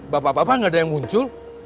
bapak bapak nggak ada yang muncul